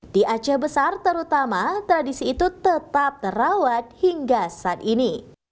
di aceh besar terutama tradisi itu tetap terawat hingga saat ini